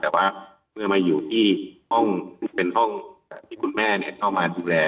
แต่เมื่อมาอยู่ที่ห้องคุณแม่เจ้าได้มาดูแล